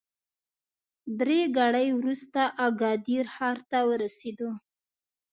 درې ګړۍ وروسته اګادیر ښار ته ورسېدو.